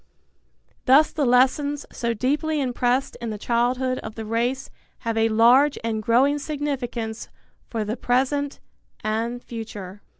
Thus the lessons, so deeply impressed in the childhood of the race, have a large and growing significance for the present and future.